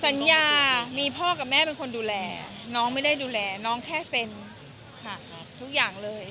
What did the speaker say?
สัญญามีพ่อกับแม่เป็นคนดูแลน้องไม่ได้ดูแลน้องแค่เซ็นทุกอย่างเลย